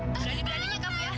berani beraninya kamu ya